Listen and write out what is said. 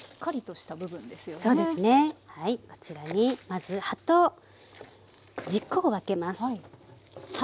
こちらにまず葉と軸を分けます。